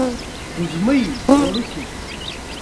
افغانستان له بېلابېلو ډولو چرګانو څخه ډک دی.